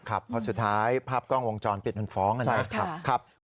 ครับเพราะสุดท้ายภาพกล้องวงจรเปลี่ยนหน่อยครับใช่ค่ะครับ